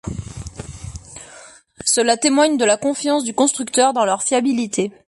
Cela témoigne de la confiance du constructeur dans leur fiabilité.